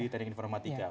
di teknik informatika